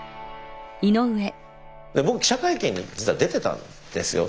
僕記者会見に実は出てたんですよ。